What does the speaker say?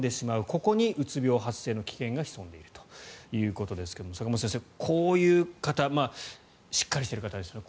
ここにうつ病発生の危険が潜んでいるということですが坂元先生、こういう方しっかりしている方ですね